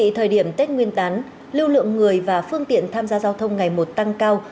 thời điểm tết nguyên đán lưu lượng người và phương tiện tham gia giao thông ngày một tăng cao